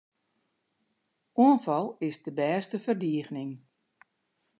Oanfal is de bêste ferdigening.